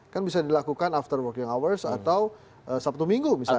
kan bisa dilakukan after working hours atau sabtu minggu misalnya